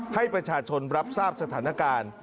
ให้ประชาชนรับทราบสถานการณ์